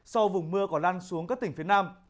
sau vùng mưa còn lan xuống các tỉnh phía nam